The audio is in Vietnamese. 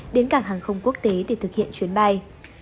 đến cảng hàng không quốc tế để thực hiện chuyến bay